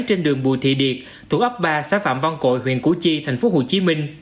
trên đường bù thị điệt thủ ấp ba xã phạm văn cội huyện củ chi tp hcm